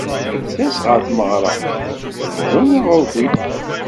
Ad d-tas ɣer tmeɣra, bɣu neɣ agi.